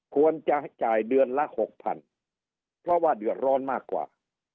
ควรจะจ่ายเดือนละหกพันเพราะว่าเดือดร้อนมากกว่า